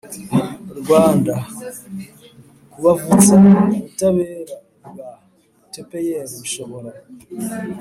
rwanda. kubavutsa ubutabera bwa tpir bishobora